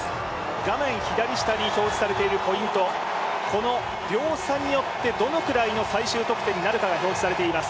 画面左下に表示されているポイント、この秒差によってどのくらいの最終得点になるかが表示されています。